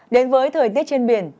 đến với thời tiết trên biển